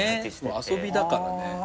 遊びだからね。